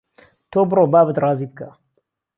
تۆ بڕۆ بابت رازی بکه